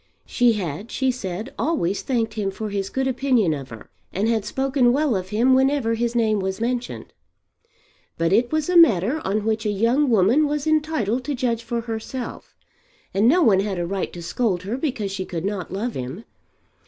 She had, she said, always thanked him for his good opinion of her, and had spoken well of him whenever his name was mentioned. But it was a matter on which a young woman was entitled to judge for herself, and no one had a right to scold her because she could not love him.